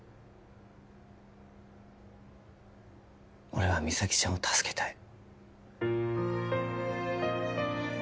俺は実咲ちゃんを助けたい